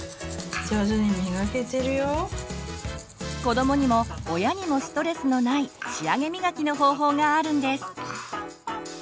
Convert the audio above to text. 子どもにも親にもストレスのない仕上げみがきの方法があるんです。